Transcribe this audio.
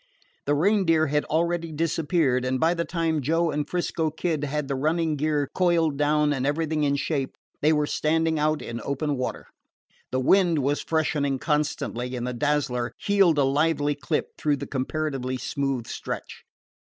The Reindeer had already disappeared, and by the time Joe and 'Frisco Kid had the running gear coiled down and everything in shape, they were standing out in open water. The wind was freshening constantly, and the Dazzler heeled a lively clip through the comparatively smooth stretch.